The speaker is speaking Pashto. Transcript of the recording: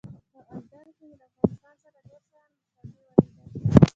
په اردن کې مې له افغانستان سره ډېر شیان مشابه ولیدل.